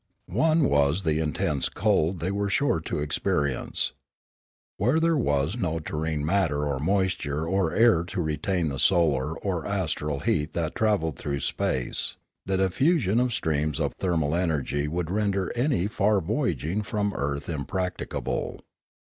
One was the intense cold they were sure to experi ence. Where there was no terrene matter or moisture or air to retain the solar or astral heat that travelled through space, the diffusion of the streams of thermal energy would render any far voyaging from the earth impracticable.